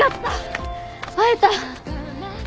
会えた。